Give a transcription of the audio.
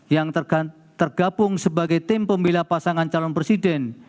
yang tergabung sebagai tim pembela pasangan calon presiden